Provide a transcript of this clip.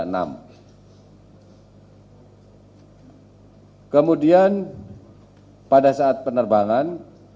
kemudian pada saat penerbangan